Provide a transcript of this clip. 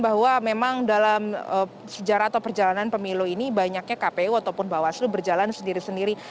bahwa memang dalam sejarah atau perjalanan pemilu ini banyaknya kpu ataupun bawaslu berjalan sendiri sendiri